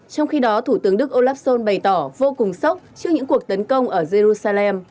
trong khi đó thủ tướng đức olafsson bày tỏ vô cùng sốc trước những cuộc tấn công ở jerusalem